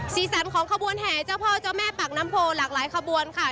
สีสันของขบวนแห่เจ้าพ่อเจ้าแม่ปากน้ำโพหลากหลายขบวนค่ะ